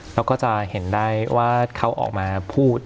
เราก็จะเห็นได้ว่าเขาออกมาพูด